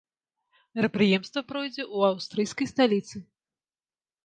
Мерапрыемства пройдзе ў аўстрыйскай сталіцы.